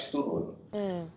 karena anggaran daerah terasa turun